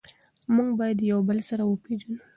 موږ باید یو بل سره وپیژنو.